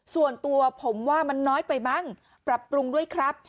ส่วนตัวผมว่ามันน้อยไปมั้งปรับปรุงด้วยครับ